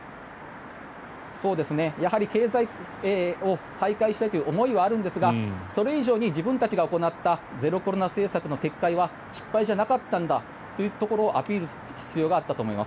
やはり経済を再開したいという思いはあるんですがそれ以上に自分たちが行ったゼロコロナ政策の撤回は失敗じゃなかったんだというところをアピールする必要があったんだと思います。